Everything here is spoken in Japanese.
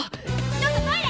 ちょっとトイレ！